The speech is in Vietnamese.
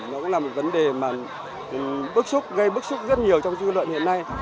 nó cũng là một vấn đề mà gây bức xúc rất nhiều trong dư luận hiện nay